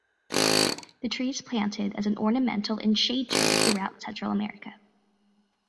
The tree is planted as an ornamental and shade tree throughout Central America.